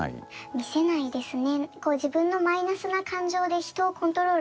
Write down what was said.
見せないですね。